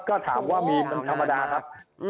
ก็ถามว่ามีเป็นธรรมดาครับ